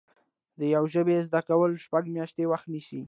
د یوې ژبې زده کول شپږ میاشتې وخت نیسي